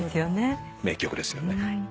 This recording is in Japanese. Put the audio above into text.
名曲ですよね。